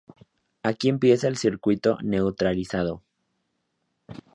Aquí empieza el circuito neutralizado.